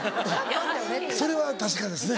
それは確かですね。